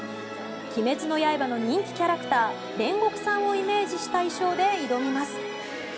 「鬼滅の刃」の人気キャラクター煉獄さんをイメージした衣装で挑みます。